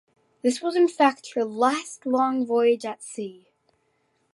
This was in fact her last long voyage at sea.